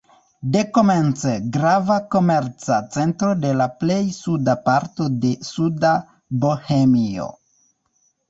Dekomence grava komerca centro de la plej suda parto de Suda Bohemio.